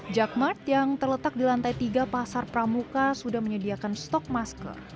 jakmart yang terletak di lantai tiga pasar pramuka sudah menyediakan stok masker